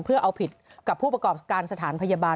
เพื่อเอาผิดกับผู้ประกอบการสถานพยาบาล